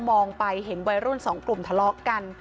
มองไปเห็นวัยรุ่นสองกลุ่มทะเลาะกัน